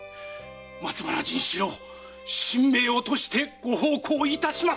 松原甚四郎身命を賭してご奉公いたします！